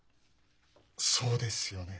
そうですよね。